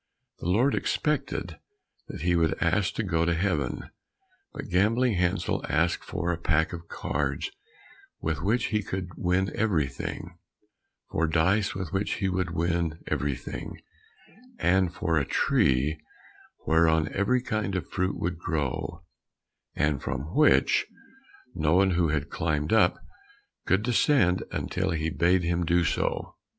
The Lord expected that he would ask to go to Heaven; but Gambling Hansel asked for a pack of cards with which he could win everything, for dice with which he would win everything, and for a tree whereon every kind of fruit would grow, and from which no one who had climbed up, could descend until he bade him do so.